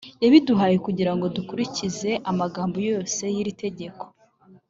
yabiduhaye kugira ngo dukurikize amagambo yose y’iri tegeko.